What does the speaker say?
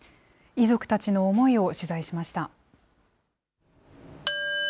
遺族たちの思いを取材しました。